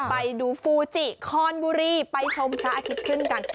ไปดูฟูจิคอนบุรีไปชมพระอาทิตย์ขึ้นกัน